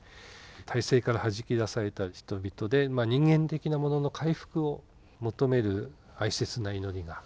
体制からはじき出された人々で人間的なものの回復を求める哀切な祈りが彼らを鬼たらしめたのだ。